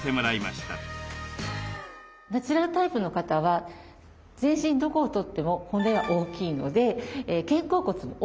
ナチュラルタイプの方は全身どこをとっても骨は大きいので肩甲骨も大きいです。